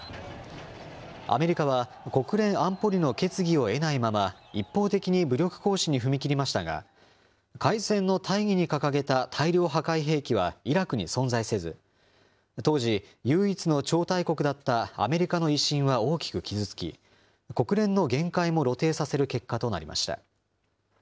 アメリカは国連安保理の決議を得ないまま、一方的に武力行使に踏み切りましたが、開戦の大義に掲げた大量破壊兵器はイラクに存在せず、当時、唯一の超大国だったアメリカの威信は大きく傷つき、国連の限界も露呈させる結果となりました。